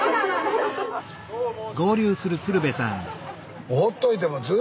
どうも。